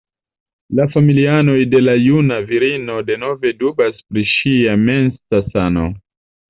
La familianoj de la juna virino denove dubas pri ŝia mensa sano.